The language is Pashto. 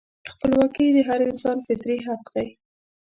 خپلواکي د هر انسان فطري حق دی.